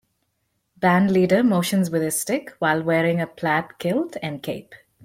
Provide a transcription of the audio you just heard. Band leader motions with a stick while wearing a plaid kilt and cape.